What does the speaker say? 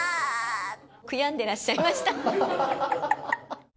悔やんでらっしゃいました。